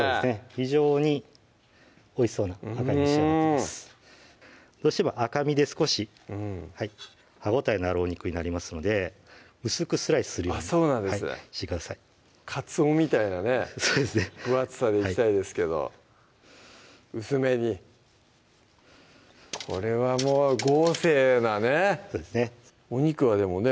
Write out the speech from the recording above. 非常においしそうな赤に仕上がっていますどうしても赤身で少し歯応えのあるお肉になりますので薄くスライスするようにそうなんですねカツオみたいなね分厚さにしたいですけど薄めにこれはもう豪勢なねそうですねお肉はでもね